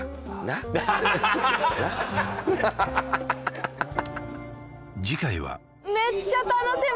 っつって次回はめっちゃ楽しみ！